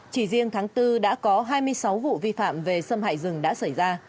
chỉ riêng tháng bốn đã có hai mươi sáu vụ vi phạm về xâm hại rừng đã xảy ra